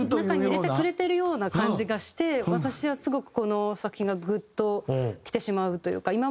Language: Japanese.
中に入れてくれてるような感じがして私はすごくこの作品がグッときてしまうというか。